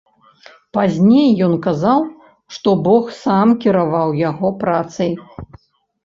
Пазней ён казаў, што бог сам кіраваў яго працай.